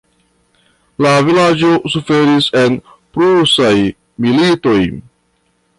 La vilaĝo suferis en Prusaj militoj.